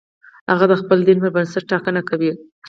هغه د خپل دین پر بنسټ ټاکنه کوي.